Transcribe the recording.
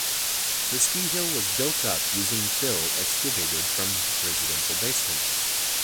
The ski hill was built up using fill excavated from residential basements.